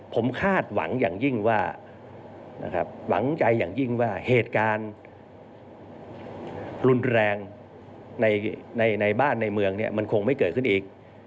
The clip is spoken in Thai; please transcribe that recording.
ผมคาดหวังอย่างยิ่งว่าเหตุการณ์รุนแรงในบ้านในเมืองมันคงไม่เกิดขึ้นอีก